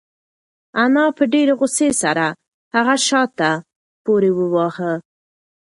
انا په ډېرې غوسې سره هغه شاته پورې واهه.